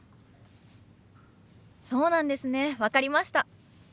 そうなんですね分かりました。